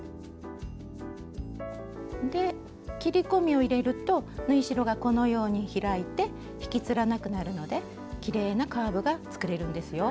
で切り込みを入れると縫い代がこのように開いて引きつらなくなるのできれいなカーブが作れるんですよ。